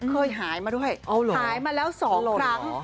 เคยหายมาด้วยหายมาแล้ว๒ครั้ง